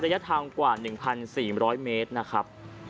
ระยะทางกว่า๑๔๐๐เมตรนะครับ